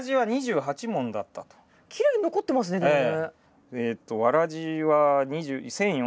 きれいに残ってますねでもね。